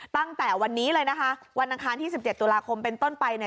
ตั้งแต่วันนี้เลยนะคะวันอังคารที่๑๗ตุลาคมเป็นต้นไปเนี่ย